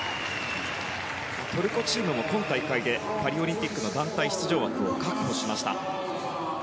トルコチームも今大会でパリオリンピックの団体出場枠を確保しました。